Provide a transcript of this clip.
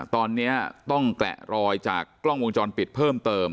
ตอนนี้ต้องแกะรอยจากกล้องวงจรปิดเพิ่มเติม